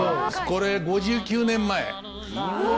これ５９年前。え！